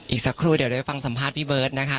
อีกสักครู่เดี๋ยวได้ฟังสัมภาษณ์พี่เบิร์ตนะคะ